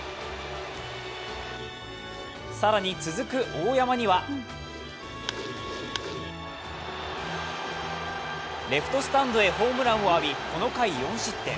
更に続く大山にはレストスタンドへホームランを浴びこの回、４失点。